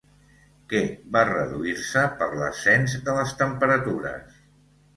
Què va reduir-se per l'ascens de les temperatures?